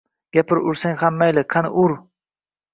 Gapir, ursang ham mayli, qani, ur, ur.